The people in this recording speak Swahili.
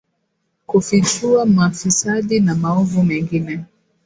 kufichua mafisadi na maovu mengine